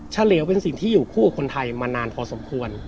เฉลวเป็นสิ่งที่อยู่คู่กับคนไทยมานานพอสมควร